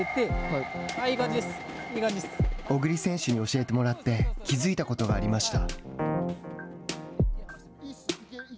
小栗選手に教えてもらって気付いたことがありました。